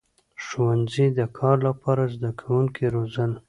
• ښوونځي د کار لپاره زدهکوونکي روزل.